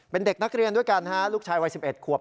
เป็นเด็กนักเรียนด้วยกันฮะลูกชายวัย๑๑ขวบ